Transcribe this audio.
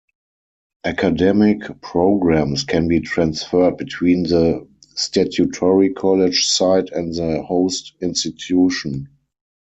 Academic programs can be transferred between the statutory college side and the host institution.